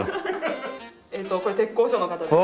これ鉄工所の方です。